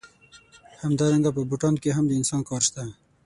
همدارنګه په بوټانو کې هم د انسان کار شته